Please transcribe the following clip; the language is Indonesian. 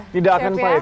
tidak akan pahit